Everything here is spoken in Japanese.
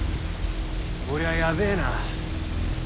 こりゃやべえな。